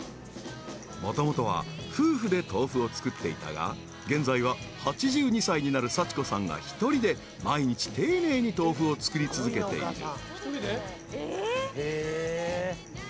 ［もともとは夫婦で豆腐を作っていたが現在は８２歳になる幸子さんが一人で毎日丁寧に豆腐を作り続けている］